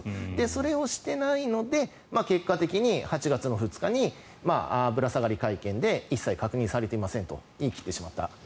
それをしていないので結果的に８月２日にぶら下がり会見で一切確認されていませんと言い切ってしまった。